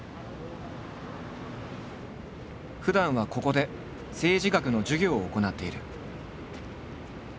ふだんはここで政治学の授業を行っている。